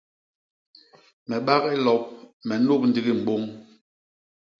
Me bak i lop, me nup ndigi mbôñ.